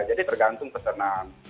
jadi tergantung pesannya